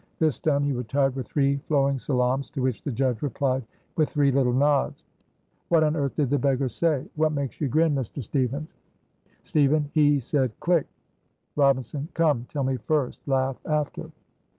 This done, he retired with three flowing salaams, to which the judge replied with three little nods. "What on earth did the beggar say? What makes you grin, Mr. Stevens?" Stevens. "He said click!" Robinson. "Come! tell me first, laugh after."